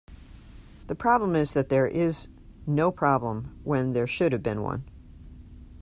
The problem is that there is no problem when there should have been one.